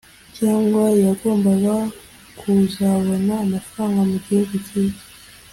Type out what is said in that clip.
cyangwa yagombaga kuzabona Amafaranga mu Gihugu Cyiza